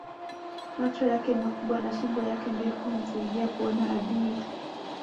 macho yake makubwa na shingo yake ndefu humsaidia kuona adui